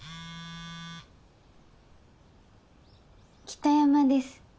北山です。